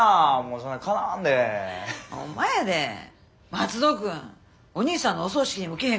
松戸君お兄さんのお葬式にも来え